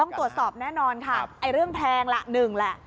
ต้องตรวจสอบแน่นอนค่ะไอ้เรื่องแพงละหนึ่งแหละ